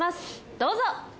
どうぞ！